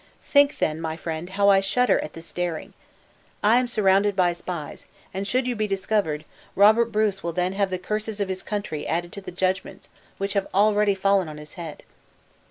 Think, then, my friend, how I shudder at this daring. I am surrounded by spies, and should you be discovered, Robert Bruce will then have the curses of his country added to the judgments which already have fallen on his head."